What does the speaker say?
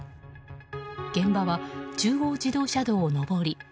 現場は中央自動車道上り。